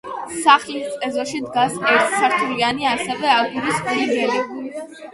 სახლის ეზოში დგას ერთსართულიანი ასევე აგურის ფლიგელი.